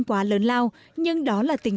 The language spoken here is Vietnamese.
đặc biệt là ở nơi vùng biên